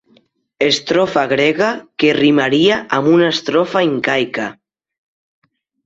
Estrofa grega que rimaria amb una estrofa incaica.